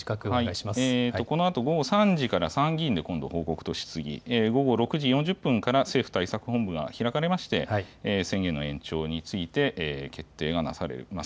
このあと午後３時から、参議院で今度報告と質疑、午後６時４０分から、政府対策本部が開かれまして、宣言の延長について決定がなされます。